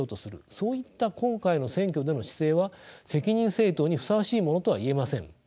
そういった今回の選挙での姿勢は責任政党にふさわしいものとは言えません。